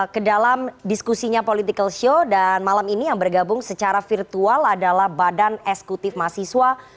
ke dalam diskusinya political show dan malam ini yang bergabung secara virtual adalah badan eksekutif mahasiswa